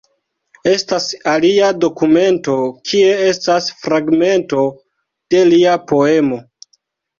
Estas alia dokumento, kie estas fragmento de lia poemo.